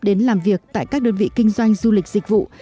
đến làm việc tại các đơn vị kinh doanh du lịch dịch vụ